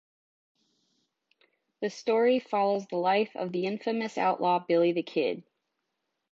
The story follows the life of the infamous outlaw Billy the Kid.